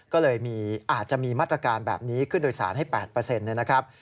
ก็เลยอาจจะมีมาตรการแบบนี้ขึ้นโดยสารให้๘นะครับ